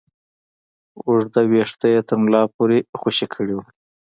اوږده ويښته يې تر ملا پورې خوشې کړي وو.